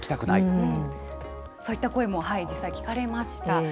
そういった声も実際聞かれました。